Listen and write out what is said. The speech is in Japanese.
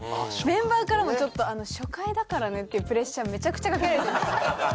メンバーからもちょっと「初回だからね」っていうプレッシャーめちゃくちゃかけられて。